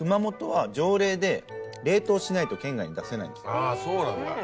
あぁそうなんだ。